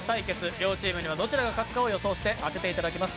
両チームにはどちらが勝つかを予想して当てていただきます。